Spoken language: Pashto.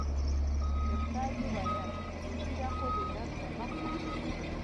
ورته ویې ویل چې ږیره خو د نر پر مخ وي.